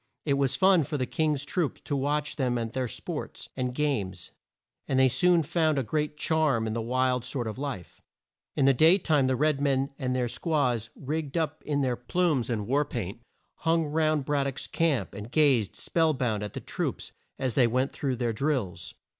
It was fun for the King's troops to watch them at their sports and games, and they soon found a great charm in this wild sort of life. In the day time the red men and their squaws, rigged up in their plumes and war paint, hung round Brad dock's camp, and gazed spell bound at the troops as they went through their drills.